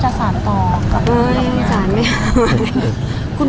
ภาษาสนิทยาลัยสุดท้าย